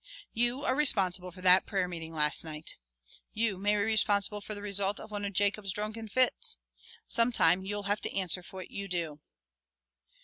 You are responsible for that prayer meeting last night. You may be responsible for the result of one of Jacob's drunken fits. Sometime you'll have to answer for what you do."